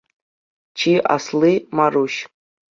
Чи асли – Маруҫ.